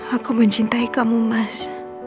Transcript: aku mencintai kamu mas